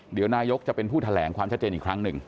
เดี๋ยวนายกจะเป็นผู้แถลงความชัดเจนอีกครั้งหนึ่ง